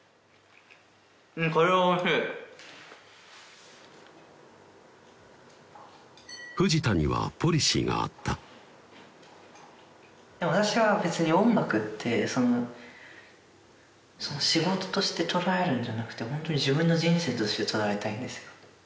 うんこれはおいしい藤田にはポリシーがあった私は別に音楽ってその仕事として捉えるんじゃなくてホントに自分の人生として捉えたいんですよ